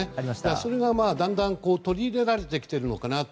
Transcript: それがだんだん取り入れられてきているのかなと。